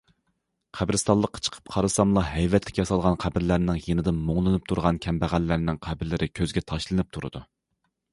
قەبرىستانلىققا چىقىپ قارىساملا ھەيۋەتلىك ياسالغان قەبرىلەرنىڭ يېنىدا مۇڭلىنىپ تۇرغان كەمبەغەللەرنىڭ قەبرىلىرى كۆزگە تاشلىنىپ تۇرىدۇ.